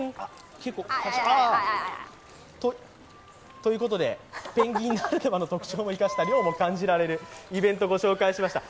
ああ、ということでペンギンの特徴を生かした涼も感じられるイベントをご紹介しました。